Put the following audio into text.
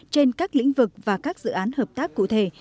trên các lĩnh vực và các dự án hợp tác cụ thể